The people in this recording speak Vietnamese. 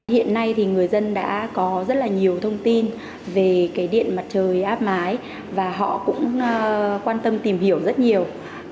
hiện nay thì người dân đã có rất là nhiều thông tin về cái điện mặt trời áp mái và họ cũng quan tâm tìm hiểu rất nhiều